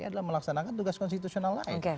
adalah melaksanakan tugas konstitusional lain